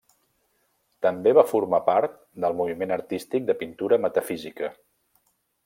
També va formar part del moviment artístic de pintura metafísica.